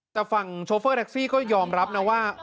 แต่ฝั่งโชเฟอร์แท็กซี่ก็ยอมรับนะว่า